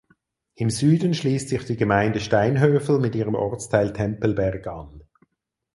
Im Süden schließt sich die Gemeinde Steinhöfel mit ihrem Ortsteil Tempelberg an.